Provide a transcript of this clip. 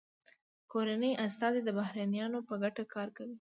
کورني استازي د بهرنیانو په ګټه کار کوي